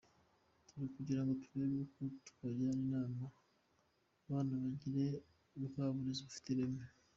Turi kugira ngo turebe uko twagirana inama abana bagire bwa burezi bufite ireme.